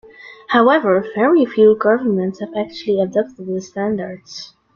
However, very few governments have actually adopted the standards.